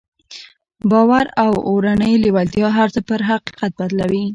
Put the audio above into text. باور او اورنۍ لېوالتیا هر څه پر حقيقت بدلوي.